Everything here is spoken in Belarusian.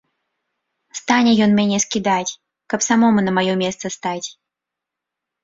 Стане ён мяне скідаць, каб самому на маё месца стаць.